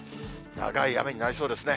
長い雨になりそうですね。